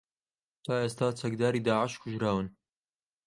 تا ئێستا چەکداری داعش کوژراون